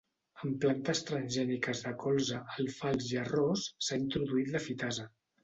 En plantes transgèniques de colza, alfals i arròs s’ha introduït la fitasa.